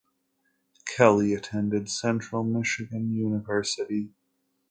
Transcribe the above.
Kelly attended Central Michigan University.